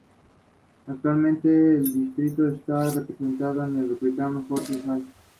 Localidad tipo: San Luis Potosí: Las Cuevas.